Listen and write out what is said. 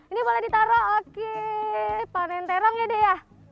ini boleh ditaruh oke panen terong ya deh ya